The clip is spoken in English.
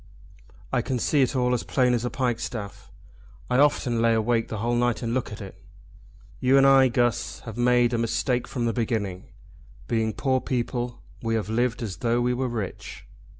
I can see it all as plain as a pikestaff. I often lay awake the whole night and look at it. You and I, Guss, have made a mistake from the beginning. Being poor people we have lived as though we were rich."